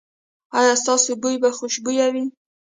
ایا ستاسو بوی به خوشبويه وي؟